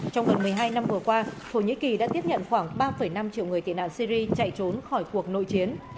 trong gần một mươi hai năm vừa qua thổ nhĩ kỳ đã tiếp nhận khoảng ba năm triệu người tị nạn syri chạy trốn khỏi cuộc nội chiến